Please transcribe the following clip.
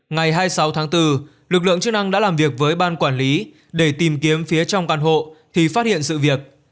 ngày hai mươi sáu tháng bốn lực lượng chức năng đã làm việc với ban quản lý để tìm kiếm phía trong căn hộ thì phát hiện sự việc